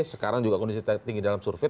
sekarang juga kondisinya sangat tinggi dalam survei